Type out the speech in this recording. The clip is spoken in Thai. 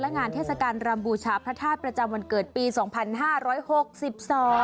งานเทศกาลรำบูชาพระธาตุประจำวันเกิดปีสองพันห้าร้อยหกสิบสอง